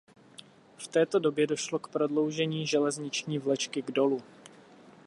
V této době došlo k prodloužení železniční vlečky k dolu.